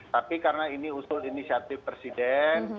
tapi karena ini usul inisiatif presiden